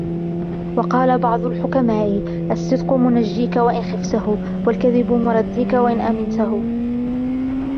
وَقَالَ بَعْضُ الْحُكَمَاءِ الصِّدْقُ مُنْجِيك وَإِنْ خِفْته ، وَالْكَذِبُ مُرْدِيك وَإِنْ أَمِنْته